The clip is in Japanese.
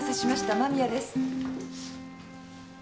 間宮です。